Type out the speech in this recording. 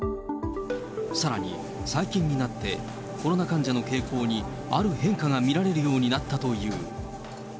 さらに、最近になって、コロナ患者の傾向にある変化が見られるようになったという。